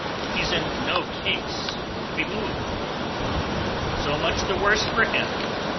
"He's in no case to be moved." "So much the worse for him.